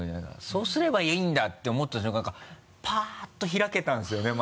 そうすればいいんだって思った瞬間からパっと開けたんですよね